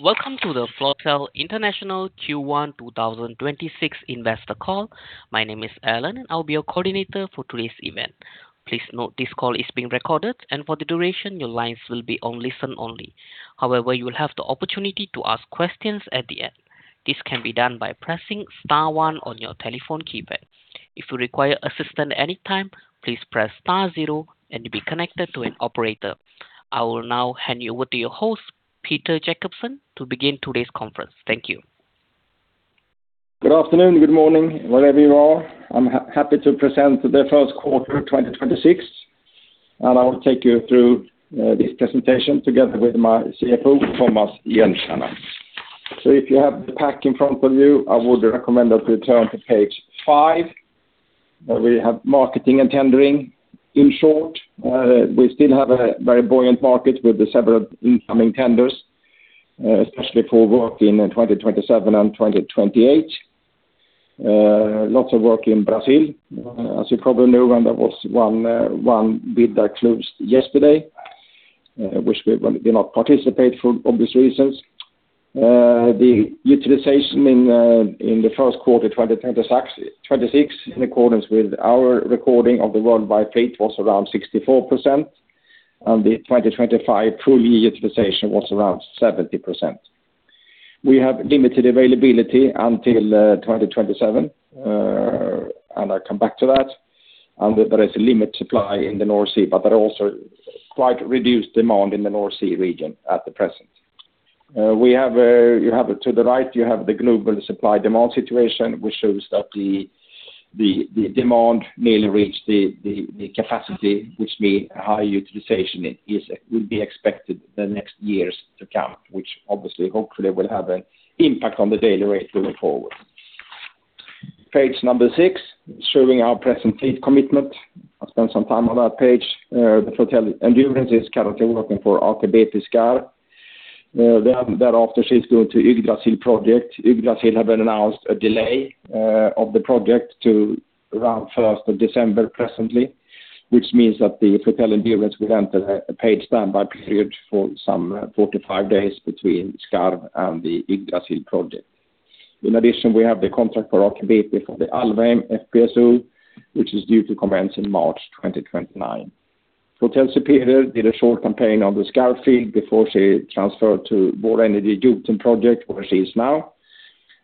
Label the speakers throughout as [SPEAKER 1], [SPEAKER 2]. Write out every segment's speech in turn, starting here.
[SPEAKER 1] Welcome to the Floatel International Q1 2026 Investor Call. My name is Alan. I'll be your coordinator for today's event. Please note this call is being recorded. For the duration, your lines will be on listen only. However, you will have the opportunity to ask questions at the end. This can be done by pressing *1 on your telephone keypad. If you require assistance at any time, please press *0. You'll be connected to an operator. I will now hand you over to your host, Peter Jacobsson, to begin today's conference. Thank you.
[SPEAKER 2] Good afternoon, good morning, wherever you are. I'm happy to present the Q1 of 2026. I will take you through this presentation together with my CFO, Tomas Hjelmstierna. If you have the pack in front of you, I would recommend that you turn to page 5, where we have marketing and tendering. In short, we still have a very buoyant market with the several incoming tenders, especially for work in 2027 and 2028. Lots of work in Brazil. As you probably know, there was one bid that closed yesterday, which we will not participate for obvious reasons. The utilization in the Q1 2026, in accordance with our recording of the worldwide fleet, was around 64%, and the 2025 full year utilization was around 70%. We have limited availability until 2027, and I'll come back to that. There is a limit supply in the North Sea, but there are also quite reduced demand in the North Sea region at the present. To the right, you have the global supply demand situation, which shows that the demand merely reached the capacity, which means a high utilization will be expected the next years to come, which obviously, hopefully, will have an impact on the daily rate moving forward. Page number 6, showing our present fleet commitment. I'll spend some time on that page. The Floatel Endurance is currently working for Aker BP Skarv. Thereafter, she's going to Yggdrasil project. Yggdrasil have announced a delay of the project to around 1st of December presently, which means that the Floatel Endurance will enter a paid standby period for some 45 days between Skarv and the Yggdrasil project. In addition, we have the contract for Aker BP for the Alvheim FPSO, which is due to commence in March 2029. Floatel Superior did a short campaign on the Skarv field before she transferred to Vår Energi Jotun project, where she is now.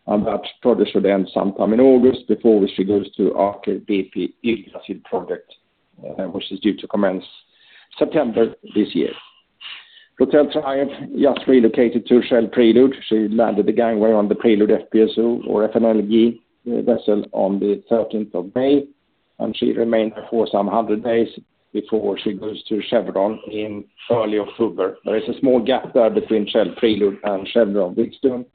[SPEAKER 2] That project should end sometime in August, before she goes to Aker BP Yggdrasil project, which is due to commence September this year. Floatel Triumph just relocated to Shell Prelude. She landed the gangway on the Prelude FSO or FLNG vessel on the 13th of May, and she remained there for 100 days before she goes to Chevron in early October. There is a small gap there between Shell Prelude and Chevron Wheatstone.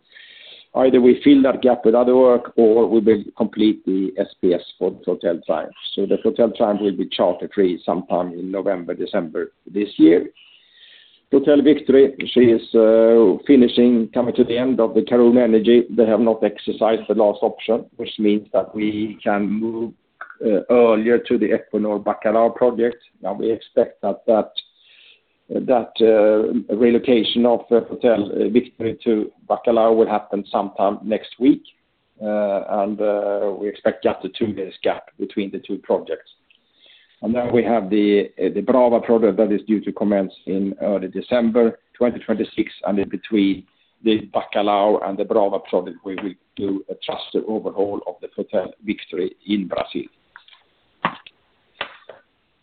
[SPEAKER 2] Either we fill that gap with other work, or we will complete the SPS for the Floatel Triumph. The Floatel Triumph will be charter-free sometime in November, December this year. Floatel Victory, she is finishing, coming to the end of the Karoon Energy. They have not exercised the last option, which means that we can move earlier to the Equinor Bacalhau project. We expect that that relocation of Floatel Victory to Bacalhau will happen sometime next week. We expect just a two days gap between the two projects. We have the Brava project that is due to commence in early December 2026. In between the Bacalhau and the Brava project, we will do a truster overhaul of the Floatel Victory in Brazil.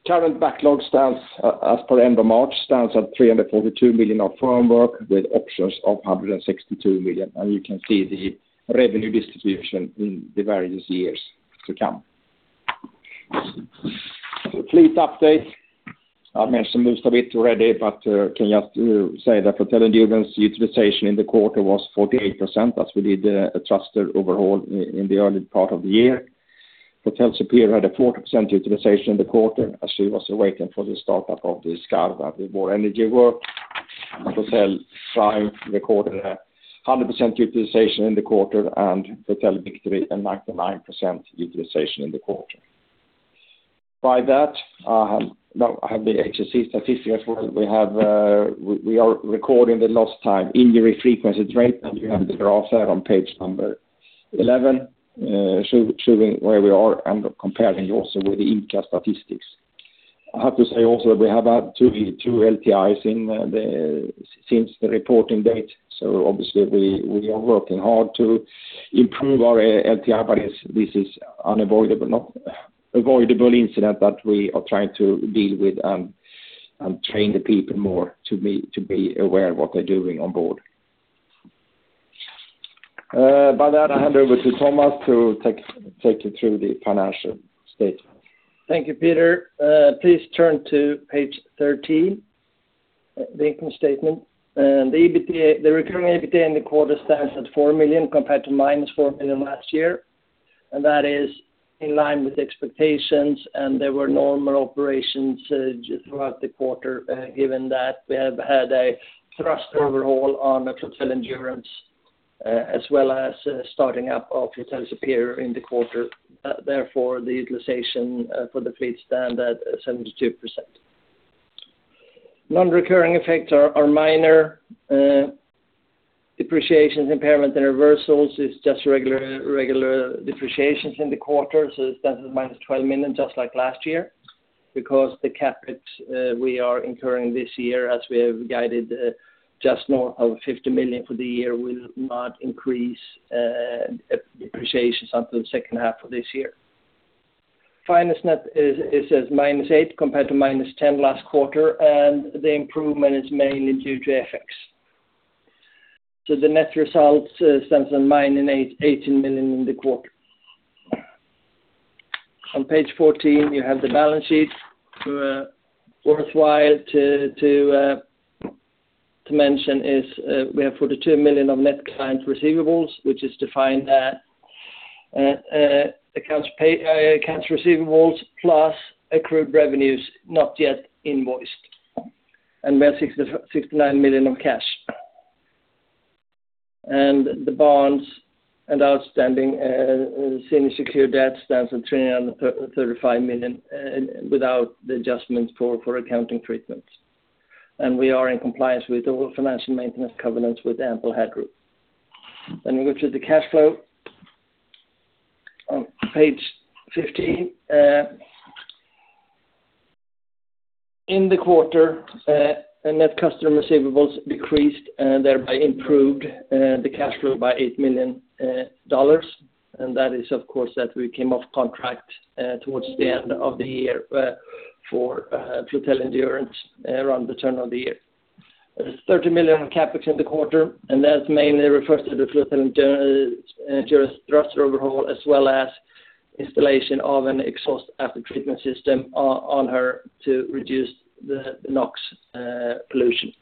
[SPEAKER 2] Current backlog, as per end of March, stands at $342 million of firm work with options of $162 million. You can see the revenue distribution in the various years to come. Fleet update. I've mentioned most of it already, but can just say that Floatel Endurance utilization in the quarter was 48% as we did a thruster overhaul in the early part of the year. Floatel Superior had a 40% utilization in the quarter as she was awaiting for the startup of the Skarv, the Vår Energi work. Floatel Triumph recorded 100% utilization in the quarter, and Floatel Victory, a 99% utilization in the quarter. By that, I have the HSE statistics where we are recording the lost time injury frequency rate, and you have the graph there on page number 11, showing where we are and comparing also with the IMCA statistics. I have to say also, we have had two LTIs since the reporting date. Obviously, we are working hard to improve our LTI. This is unavoidable incident that we are trying to deal with and train the people more to be aware of what they're doing on board. By that, I hand over to Tomas to take you through the financial statements.
[SPEAKER 3] Thank you, Peter. Please turn to page 13, the income statement. The recurring EBITDA in the quarter stands at $4 million compared to -$4 million last year. That is in line with expectations, and there were normal operations throughout the quarter, given that we have had a thruster overhaul on the Floatel Endurance, as well as starting up our Floatel Superior in the quarter. Therefore, the utilization for the fleet stand at 72%. Non-recurring effects are minor. Depreciations, impairment, and reversals is just regular depreciations in the quarter. It stands at -$12 million, just like last year, because the CapEx we are incurring this year, as we have guided just north of $50 million for the year, will not increase depreciations until the second half of this year. Finance net is at -$8 compared to -$10 last quarter, and the improvement is mainly due to FX. The net results stands at -$18 million in the quarter. On page 14, you have the balance sheet. Worthwhile to mention is we have $42 million of net client receivables, which is to find accounts receivables plus accrued revenues not yet invoiced, and we have $69 million of cash. The bonds and outstanding senior secured debt stands at $335 million without the adjustments for accounting treatments. We are in compliance with all financial maintenance covenants with ample headroom. We go to the cash flow on page 15. In the quarter, the net customer receivables decreased and thereby improved the cash flow by $8 million. That is, of course, that we came off contract towards the end of the year for Floatel Endurance around the turn of the year. $30 million of CapEx in the quarter, and that mainly refers to the Floatel Endurance thruster overhaul, as well as installation of an exhaust aftertreatment system on her to reduce the NOx pollution.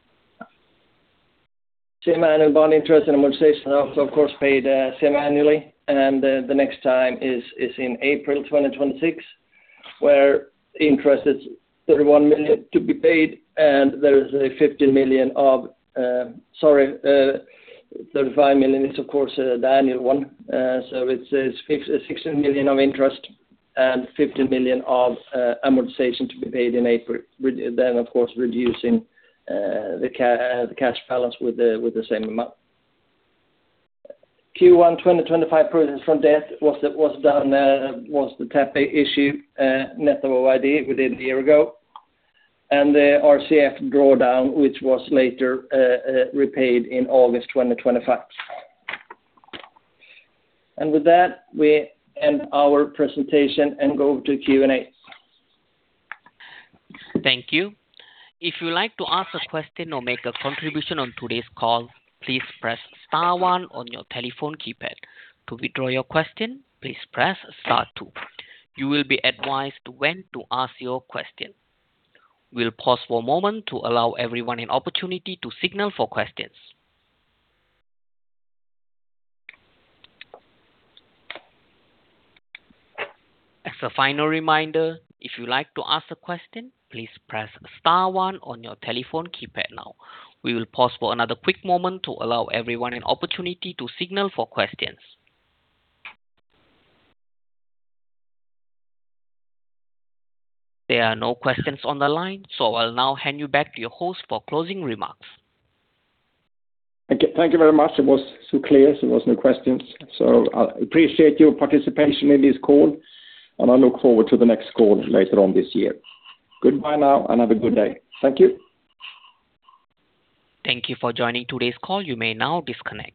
[SPEAKER 3] Semiannual bond interest and amortization are, of course, paid semiannually, and the next time is in April 2026, where interest is $31 million to be paid, and $35 million is, of course, the annual one. It's $16 million of interest and $15 million of amortization to be paid in April, then, of course, reducing the cash balance with the same amount. Q1 2025 proceeds from debt was done, was the tap issue net of OID we did a year ago, and the RCF drawdown, which was later repaid in August 2025. With that, we end our presentation and go to Q&A.
[SPEAKER 1] Thank you. If you would like to ask a question or make a contribution on today's call, please press *1 on your telephone keypad. To withdraw your question, please press *2. You will be advised when to ask your question. We'll pause for a moment to allow everyone an opportunity to signal for questions. As a final reminder, if you'd like to ask a question, please press *1 on your telephone keypad now. We will pause for another quick moment to allow everyone an opportunity to signal for questions. There are no questions on the line, so I'll now hand you back to your host for closing remarks.
[SPEAKER 2] Thank you very much. It was so clear. There was no questions. I appreciate your participation in this call, and I look forward to the next call later on this year. Goodbye now, and have a good day. Thank you.
[SPEAKER 1] Thank you for joining today's call. You may now disconnect.